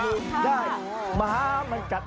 น้าโมตัสตร์น้าโมตัสตร์พระสวัสดิ์โตสัมมาสัมพุทธศาสตร์